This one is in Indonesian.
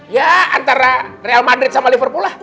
ya antara real madrid sama liverpool lah